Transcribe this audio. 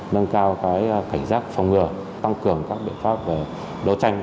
nâng cao cảnh giác phòng ngừa tăng cường các biện pháp về đấu tranh